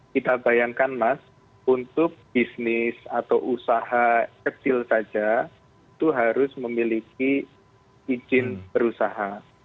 kita bayangkan mas untuk bisnis atau usaha kecil saja itu harus memiliki izin berusaha